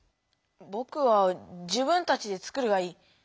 ぼくは「自分たちで作る」がいい。